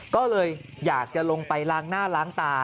ก็เลยอยากจะลงไปล้างหน้าล้างตา